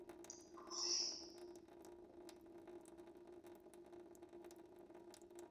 তারপরও বিভিন্ন জাতিসত্তার নারীদের নিগ্রহ বেড়ে যাওয়ার কারণ তাঁরা রাজনৈতিকভাবে ক্ষমতাধর নন।